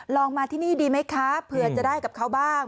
ลองมาที่นี่ดีไหมคะเผื่อจะได้กับเขาบ้าง